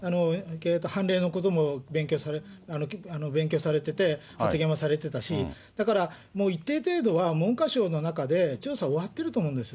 判例のことも勉強されてて、発言もされてたし、だから、もう一定程度は、文科省の中で調査終わってると思うんです。